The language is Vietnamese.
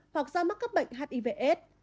hoặc do mắc các bệnh hivs